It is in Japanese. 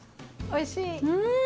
おいしい！